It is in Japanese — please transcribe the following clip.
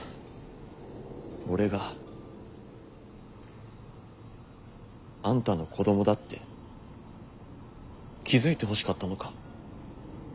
俺があんたの子どもだって気付いてほしかったのか。